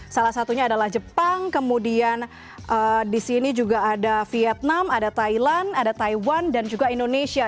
salah satunya adalah jepang kemudian di sini juga ada vietnam ada thailand ada taiwan dan juga indonesia